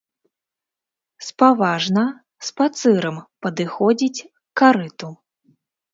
Спаважна, спацырам падыходзіць к карыту.